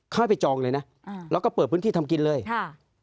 ค่อยไปจองเลยนะอ่าแล้วก็เปิดพื้นที่ทำกินเลยค่ะ